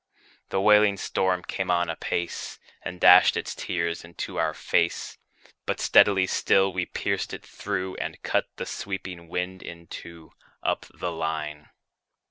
The wailing storm came on apace, And dashed its tears into our fade; But steadily still we pierced it through, And cut the sweeping wind in two, Up the line.